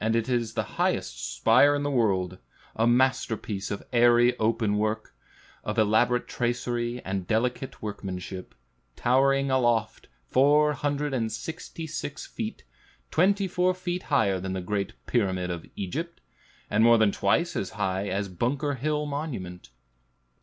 It is the highest spire in the world, a masterpiece of airy open work, of elaborate tracery and delicate workmanship, towering aloft four hundred and sixty six feet, twenty four feet higher than the great Pyramid of Egypt, and more than twice as high as Bunker Hill Monument.